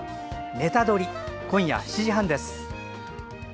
「ネタドリ！」、今夜７時半です。